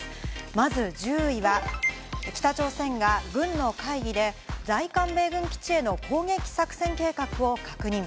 まず１０位は北朝鮮が軍の会議で在韓米軍基地への攻撃作戦計画を確認。